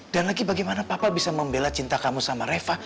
lagi bagaimana papa bisa membela cinta kamu sama reva